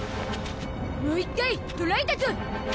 もう一回トライだゾ。